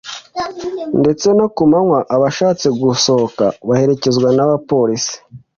ndetse no ku manywa abashatse gusoka baherekezwa n’abapolisi